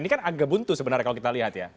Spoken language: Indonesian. ini kan agak buntu sebenarnya kalau kita lihat ya